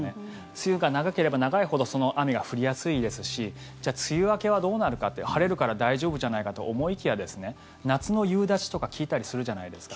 梅雨が長ければ長いほど雨が降りやすいですし梅雨明けはどうなるかって晴れるから大丈夫じゃないかと思いきや夏の夕立とか聞いたりするじゃないですか。